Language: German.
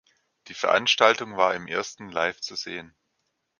Die Veranstaltung war im Ersten live zu sehen.